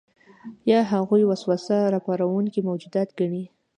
یا هغوی وسوسه راپاروونکي موجودات ګڼي.